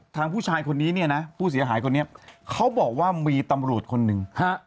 ทางผู้ชายคนนี้เนี่ยนะผู้เสียหายคนนี้เขาบอกว่ามีตำรวจคนหนึ่งฮะ